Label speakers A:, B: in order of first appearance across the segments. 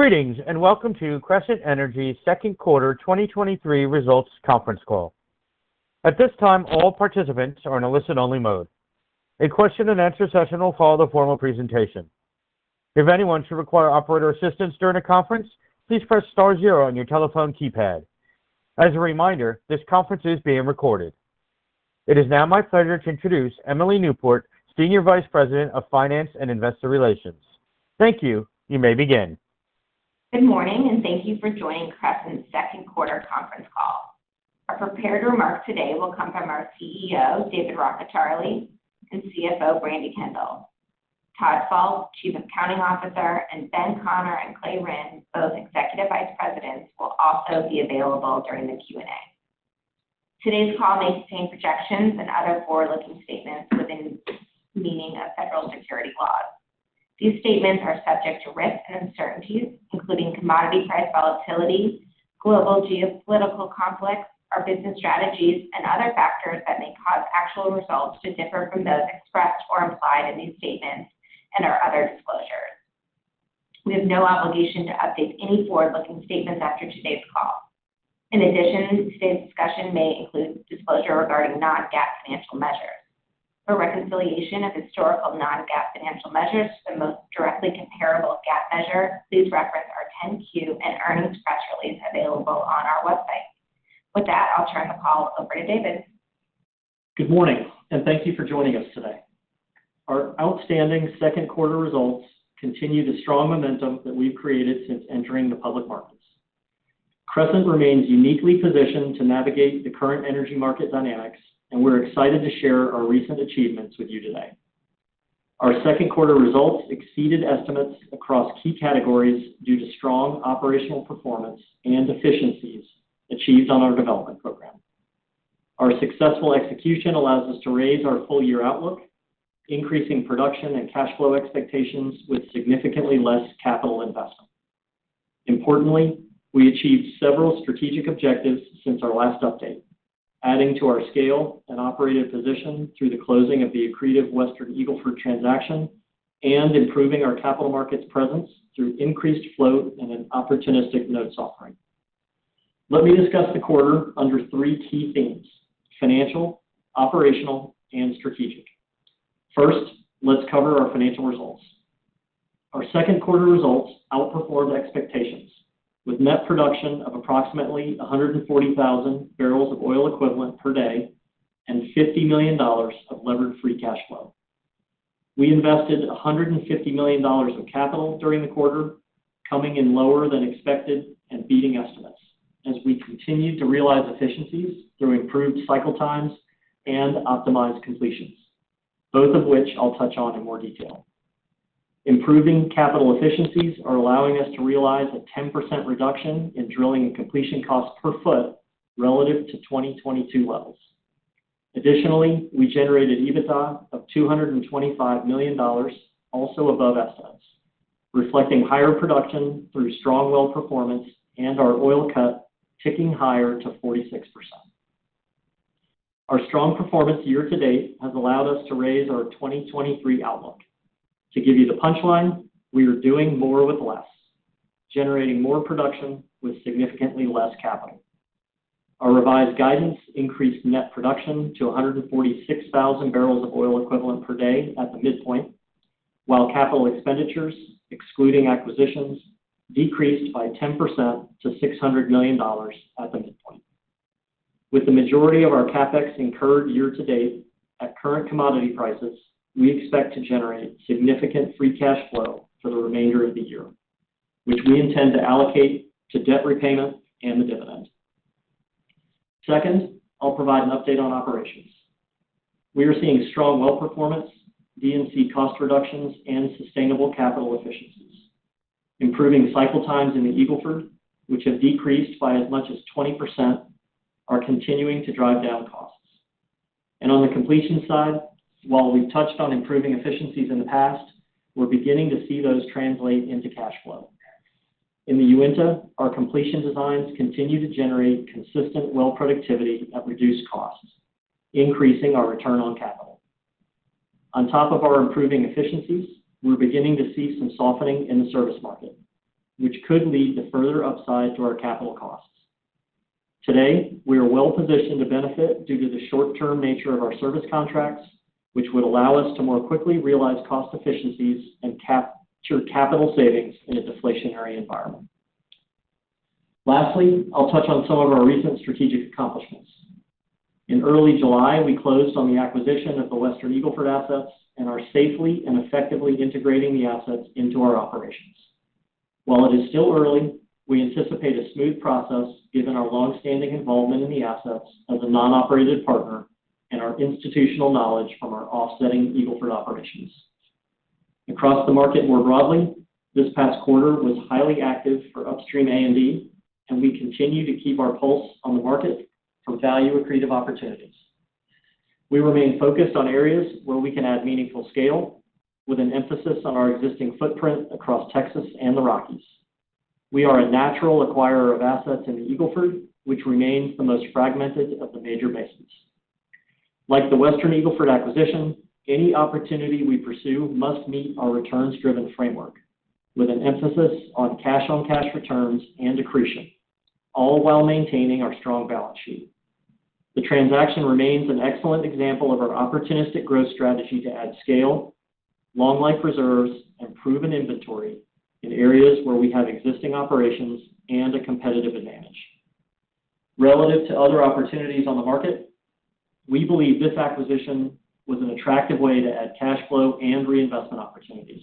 A: Greetings, welcome to Crescent Energy's second quarter 2023 results conference call. At this time, all participants are in a listen-only mode. A question and answer session will follow the formal presentation. If anyone should require operator assistance during the conference, please press star zero on your telephone keypad. As a reminder, this conference is being recorded. It is now my pleasure to introduce Emily Newport, Senior Vice President of Finance and Investor Relations. Thank you. You may begin.
B: Good morning, and thank you for joining Crescent's second quarter conference call. Our prepared remarks today will come from our CEO, David Rockecharlie, and CFO, Brandi Kendall. Todd Falk, Chief Accounting Officer, and Benjamin Conner and Clay Rynd, both Executive Vice Presidents, will also be available during the Q&A. Today's call may contain projections and other forward-looking statements within the meaning of federal security laws. These statements are subject to risks and uncertainties, including commodity price volatility, global geopolitical conflicts, our business strategies, and other factors that may cause actual results to differ from those expressed or implied in these statements and our other disclosures. We have no obligation to update any forward-looking statements after today's call. In addition, today's discussion may include disclosure regarding non-GAAP financial measures. For reconciliation of historical non-GAAP financial measures to the most directly comparable GAAP measure, please reference our 10-Q and earnings press release available on our website. With that, I'll turn the call over to David.
C: Good morning, thank you for joining us today. Our outstanding second quarter results continue the strong momentum that we've created since entering the public markets. Crescent remains uniquely positioned to navigate the current energy market dynamics, and we're excited to share our recent achievements with you today. Our second quarter results exceeded estimates across key categories due to strong operational performance and efficiencies achieved on our development program. Our successful execution allows us to raise our full-year outlook, increasing production and cash flow expectations with significantly less capital investment. Importantly, we achieved several strategic objectives since our last update, adding to our scale and operated position through the closing of the accretive Western Eagle Ford transaction and improving our capital markets presence through increased float and an opportunistic notes offering. Let me discuss the quarter under three key themes: financial, operational, and strategic. First, let's cover our financial results. Our second quarter results outperformed expectations, with net production of approximately 140,000 barrels of oil equivalent per day and $50 million of levered free cash flow. We invested $150 million of capital during the quarter, coming in lower than expected and beating estimates, as we continued to realize efficiencies through improved cycle times and optimized completions, both of which I'll touch on in more detail. Improving capital efficiencies are allowing us to realize a 10% reduction in drilling and completion costs per foot relative to 2022 levels. Additionally, we generated EBITDA of $225 million, also above estimates, reflecting higher production through strong well performance and our oil cut ticking higher to 46%. Our strong performance year-to-date has allowed us to raise our 2023 outlook. To give you the punchline, we are doing more with less, generating more production with significantly less capital. Our revised guidance increased net production to 146,000 barrels of oil equivalent per day at the midpoint, while capital expenditures, excluding acquisitions, decreased by 10% to $600 million at the midpoint. With the majority of our CapEx incurred year-to-date, at current commodity prices, we expect to generate significant free cash flow for the remainder of the year, which we intend to allocate to debt repayment and the dividend. Second, I'll provide an update on operations. We are seeing strong well performance, D&C cost reductions, and sustainable capital efficiencies. Improving cycle times in the Eagle Ford, which have decreased by as much as 20%, are continuing to drive down costs. On the completion side, while we've touched on improving efficiencies in the past, we're beginning to see those translate into cash flow. In the Uinta, our completion designs continue to generate consistent well productivity at reduced costs, increasing our return on capital. On top of our improving efficiencies, we're beginning to see some softening in the service market, which could lead to further upside to our capital costs. Today, we are well positioned to benefit due to the short-term nature of our service contracts, which would allow us to more quickly realize cost efficiencies and capture capital savings in a deflationary environment. Lastly, I'll touch on some of our recent strategic accomplishments. In early July, we closed on the acquisition of the Western Eagle Ford assets and are safely and effectively integrating the assets into our operations. While it is still early, we anticipate a smooth process given our long-standing involvement in the assets as a non-operated partner and our institutional knowledge from our offsetting Eagle Ford operations. Across the market more broadly, this past quarter was highly active for upstream A&D, and we continue to keep our pulse on the market for value accretive opportunities. We remain focused on areas where we can add meaningful scale with an emphasis on our existing footprint across Texas and the Rockies. We are a natural acquirer of assets in the Eagle Ford, which remains the most fragmented of the major basins.... Like the Western Eagle Ford acquisition, any opportunity we pursue must meet our returns-driven framework, with an emphasis on cash-on-cash returns and accretion, all while maintaining our strong balance sheet. The transaction remains an excellent example of our opportunistic growth strategy to add scale, long-life reserves, and proven inventory in areas where we have existing operations and a competitive advantage. Relative to other opportunities on the market, we believe this acquisition was an attractive way to add cash flow and reinvestment opportunities.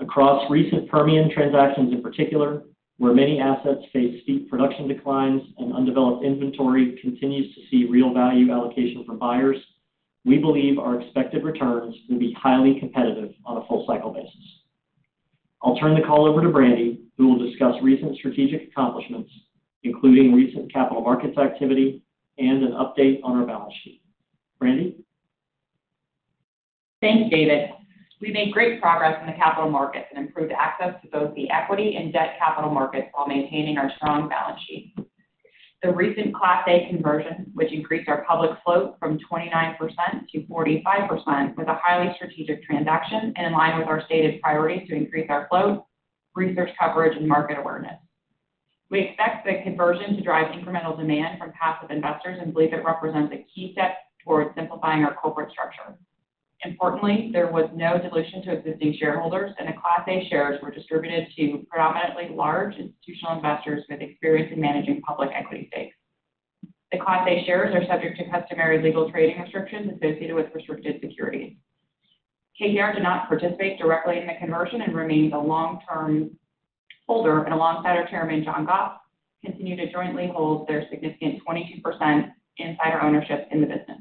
C: Across recent Permian transactions, in particular, where many assets face steep production declines and undeveloped inventory continues to see real value allocation from buyers, we believe our expected returns will be highly competitive on a full cycle basis. I'll turn the call over to Brandi, who will discuss recent strategic accomplishments, including recent capital markets activity and an update on our balance sheet. Brandi?
D: Thanks, David. We made great progress in the capital markets and improved access to both the equity and debt capital markets while maintaining our strong balance sheet. The recent Class A conversion, which increased our public float from 29%-45%, was a highly strategic transaction and in line with our stated priority to increase our float, research coverage, and market awareness. We expect the conversion to drive incremental demand from passive investors and believe it represents a key step towards simplifying our corporate structure. Importantly, there was no dilution to existing shareholders, and the Class A shares were distributed to predominantly large institutional investors with experience in managing public equity stakes. The Class A shares are subject to customary legal trading restrictions associated with restricted securities. KKR did not participate directly in the conversion and remains a long-term holder, and alongside our chairman, John Goff, continue to jointly hold their significant 22% insider ownership in the business.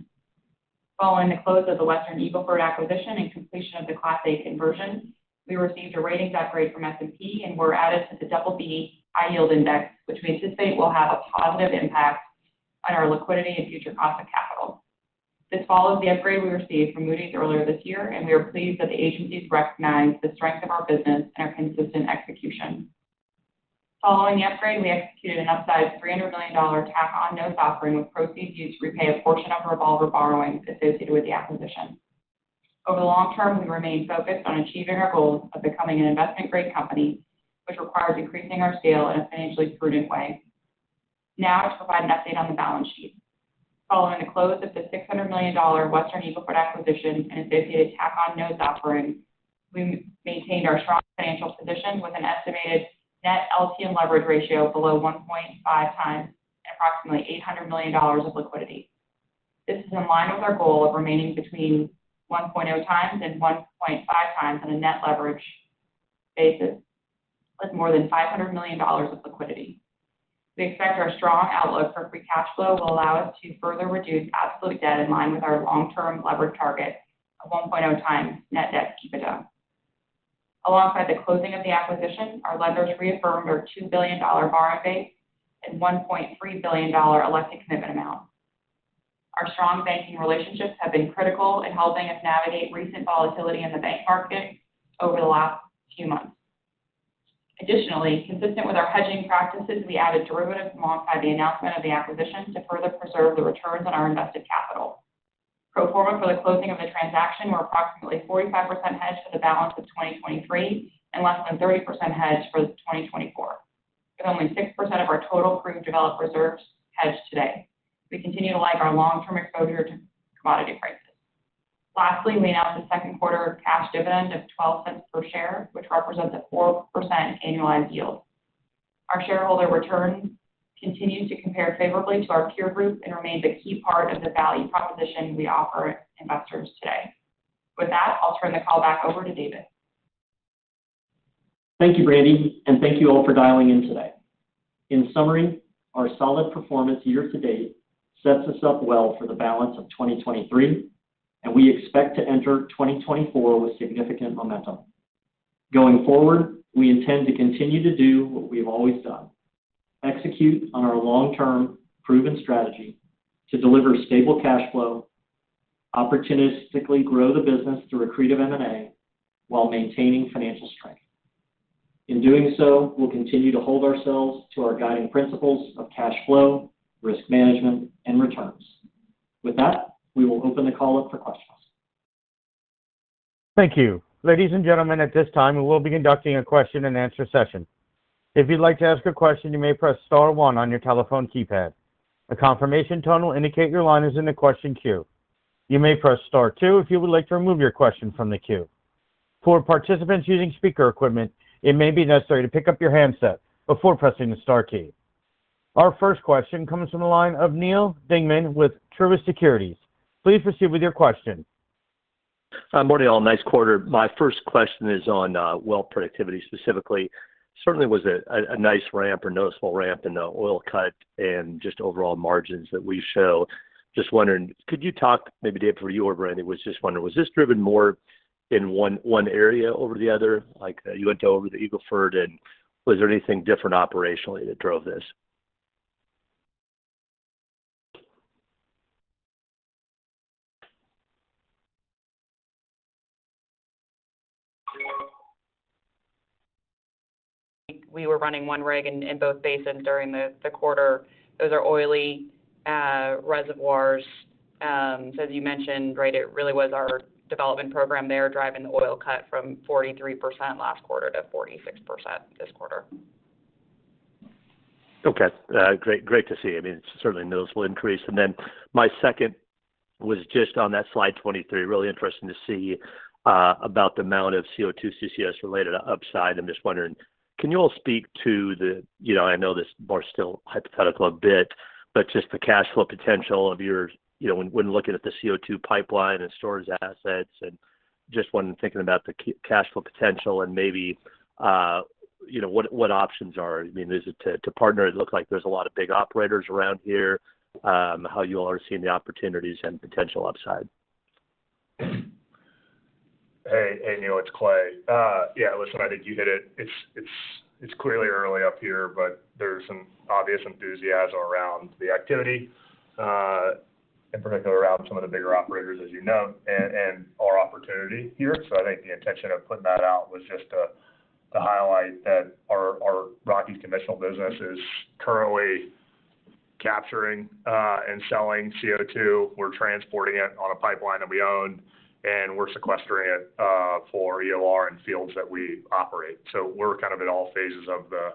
D: Following the close of the Western Eagle Ford acquisition and completion of the Class A conversion, we received a ratings upgrade from S&P and were added to the BB High Yield Index, which we anticipate will have a positive impact on our liquidity and future cost of capital. This follows the upgrade we received from Moody's earlier this year, and we are pleased that the agencies recognize the strength of our business and our consistent execution. Following the upgrade, we executed an upsized $300 million tack-on notes offering, with proceeds used to repay a portion of our revolver borrowings associated with the acquisition. Over the long term, we remain focused on achieving our goals of becoming an investment-grade company, which requires increasing our scale in a financially prudent way. To provide an update on the balance sheet. Following the close of the $600 million Western Eagle Ford acquisition and associated tack-on notes offering, we maintained our strong financial position with an estimated net LTM leverage ratio below 1.5 times and approximately $800 million of liquidity. This is in line with our goal of remaining between 1.0 times and 1.5 times on a net leverage basis, with more than $500 million of liquidity. We expect our strong outlook for free cash flow will allow us to further reduce absolute debt in line with our long-term leverage target of 1.0 times net debt EBITDA. Alongside the closing of the acquisition, our lenders reaffirmed our $2 billion borrowing base and $1.3 billion elected commitment amount. Our strong banking relationships have been critical in helping us navigate recent volatility in the bank market over the last few months. Consistent with our hedging practices, we added derivatives to modify the announcement of the acquisition to further preserve the returns on our invested capital. Pro forma for the closing of the transaction, we're approximately 45% hedged for the balance of 2023, and less than 30% hedged for 2024, with only 6% of our total proved developed reserves hedged today. We continue to like our long-term exposure to commodity prices. We announced a second quarter cash dividend of $0.12 per share, which represents a 4% annualized yield. Our shareholder returns continue to compare favorably to our peer group and remain the key part of the value proposition we offer investors today. With that, I'll turn the call back over to David.
C: Thank you, Brandi, and thank you all for dialing in today. In summary, our solid performance year to date sets us up well for the balance of 2023, and we expect to enter 2024 with significant momentum. Going forward, we intend to continue to do what we've always done: execute on our long-term, proven strategy to deliver stable cash flow, opportunistically grow the business through accretive M&A, while maintaining financial strength. In doing so, we'll continue to hold ourselves to our guiding principles of cash flow, risk management, and returns. With that, we will open the call up for questions.
A: Thank you. Ladies and gentlemen, at this time, we will be conducting a question-and-answer session. If you'd like to ask a question, you may press star one on your telephone keypad. A confirmation tone will indicate your line is in the question queue. You may press star two if you would like to remove your question from the queue. For participants using speaker equipment, it may be necessary to pick up your handset before pressing the star key. Our first question comes from the line of Neal Dingman with Truist Securities. Please proceed with your question.
E: Morning, all. Nice quarter. My first question is on well productivity, specifically. Certainly was a nice ramp or noticeable ramp in the oil cut and just overall margins that we show. Just wondering, could you talk, maybe, David, for you or Brandi, was just wondering, was this driven more in one, one area over the other? Like you went over the Eagle Ford, was there anything different operationally that drove this? ...
D: we, we were running one rig in, in both basins during the, the quarter. Those are oily reservoirs. As you mentioned, right, it really was our development program there, driving the oil cut from 43% last quarter to 46% this quarter.
E: Okay, great, great to see. I mean, it's certainly a noticeable increase. Then my second was just on that slide 23. Really interesting to see about the amount of CO2, CCS-related upside. I'm just wondering, can you all speak to the, you know, I know this more still hypothetical a bit, but just the cash flow potential of your... You know, when, when looking at the CO2 pipeline and storage assets, and just when thinking about the cash flow potential and maybe, you know, what, what options are? I mean, is it to, to partner? It looks like there's a lot of big operators around here, how you all are seeing the opportunities and potential upside?
F: Hey, Neal, it's Clay. Yeah, listen, I think you hit it. It's, it's, it's clearly early up here, but there's some obvious enthusiasm around the activity, in particular around some of the bigger operators, as you know, and, and our opportunity here. So I think the intention of putting that out was just to, to highlight that our, our Rockies conventional business is currently capturing, and selling CO2. We're transporting it on a pipeline that we own, and we're sequestering it, for EOR in fields that we operate. So we're kind of in all phases of the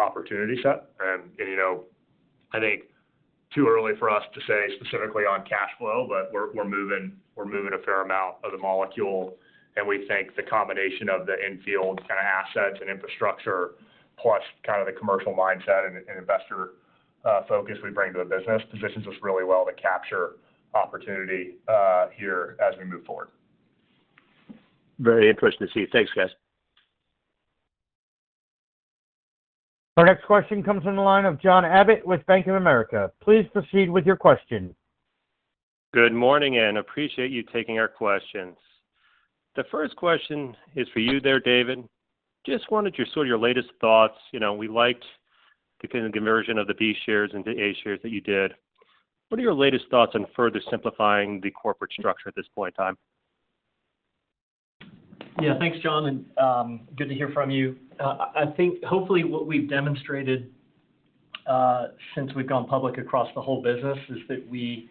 F: opportunity set. I think too early for us to say specifically on cash flow, but we're, we're moving, we're moving a fair amount of the molecule. We think the combination of the infield kind of assets and infrastructure, plus kind of the commercial mindset and, and investor focus we bring to the business, positions us really well to capture opportunity here as we move forward.
E: Very interesting to see. Thanks, guys.
A: Our next question comes from the line of John Abbott with Bank of America. Please proceed with your question.
G: Good morning. Appreciate you taking our questions. The first question is for you there, David. Just wondered sort of your latest thoughts. You know, we liked the kind of conversion of the B shares into A shares that you did. What are your latest thoughts on further simplifying the corporate structure at this point in time?
C: Yeah. Thanks, John. Good to hear from you. I think hopefully what we've demonstrated since we've gone public across the whole business is that we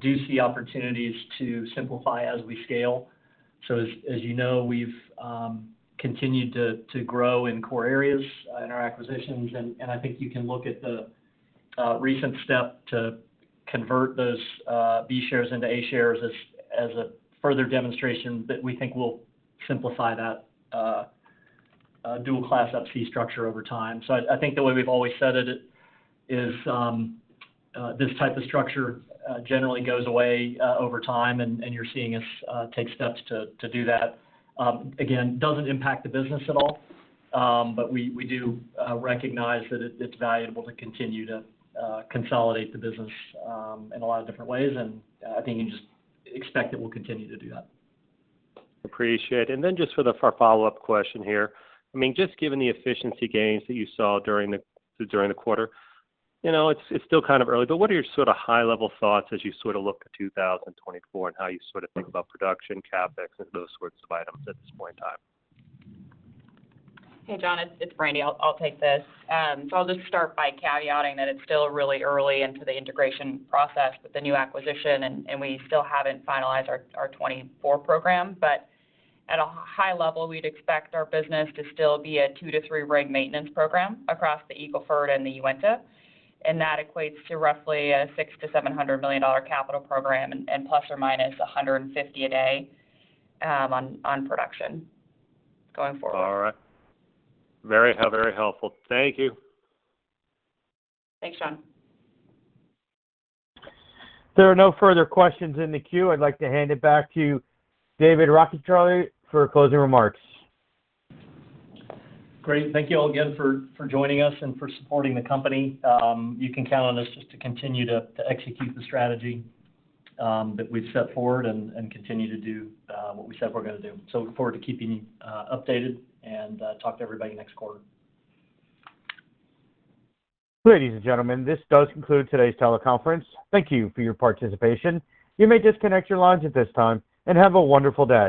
C: do see opportunities to simplify as we scale. As you know, we've continued to grow in core areas in our acquisitions, and I think you can look at the recent step to convert those B shares into A shares as a further demonstration that we think will simplify that dual class Up-C structure over time. I think the way we've always said it is this type of structure generally goes away over time, and you're seeing us take steps to do that. Again, doesn't impact the business at all, but we, we do recognize that it, it's valuable to continue to consolidate the business in a lot of different ways. I think you just expect that we'll continue to do that.
G: Appreciate it. Then just for a follow-up question here. I mean, just given the efficiency gains that you saw during the quarter, you know, it's, it's still kind of early, but what are your sort of high-level thoughts as you sort of look to 2024 and how you sort of think about production, CapEx, and those sorts of items at this point in time?
D: Hey, John, it's, it's Brandi. I'll, I'll take this. I'll just start by caveating that it's still really early into the integration process with the new acquisition, and, and we still haven't finalized our, our 2024 program. At a high level, we'd expect our business to still be a 2-3 rig maintenance program across the Eagle Ford and the Uinta, and that equates to roughly a $600 million-$700 million capital program and, and ±150 a day on, on production going forward.
G: All right. Very helpful. Thank you.
D: Thanks, John.
A: There are no further questions in the queue. I'd like to hand it back to you, David Rockecharlie, for closing remarks.
C: Great. Thank you all again for, for joining us and for supporting the company. You can count on us just to continue to, to execute the strategy that we've set forward and, and continue to do what we said we're gonna do. Look forward to keeping you updated, and talk to everybody next quarter.
A: Ladies and gentlemen, this does conclude today's teleconference. Thank you for your participation. You may disconnect your lines at this time, and have a wonderful day.